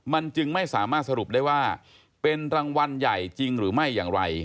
มันจึงไม่สามารถสรุปได้ว่าเป็นรางวัลใหญ่จริงหรือไม่อย่างไร